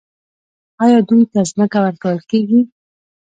آیا دوی ته ځمکه ورکول کیږي؟